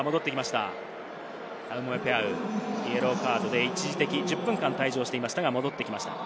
タウモエペアウ、イエローカードで一時的に１０分間、退場していましたが、戻ってきました。